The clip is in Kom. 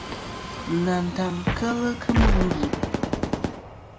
Nantaŋ kel kemɨ n.